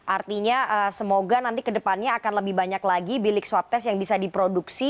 artinya semoga nanti kedepannya akan lebih banyak lagi bilik swab test yang bisa diproduksi